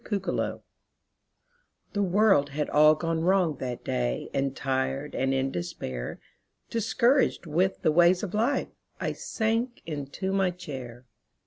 MY COMFORTER The world had all gone wrong that day And tired and in despair, Discouraged with the ways of life, I sank into my chair.